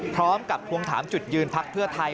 พร้อมกับควงถามจุดยืนพักเพื่อไทย